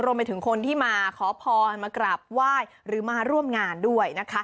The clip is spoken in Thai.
รวมไปถึงคนที่มาขอพรมากราบไหว้หรือมาร่วมงานด้วยนะคะ